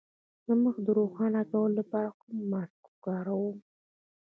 د مخ د روښانه کولو لپاره کوم ماسک وکاروم؟